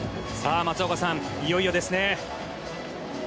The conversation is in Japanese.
松岡さん、いよいよですね。